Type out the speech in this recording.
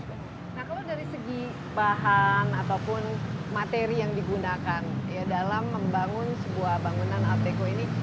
nah kalau dari segi bahan ataupun materi yang digunakan dalam membangun sebuah bangunan arteko ini